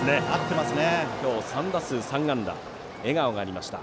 今日３打数３安打笑顔がありました。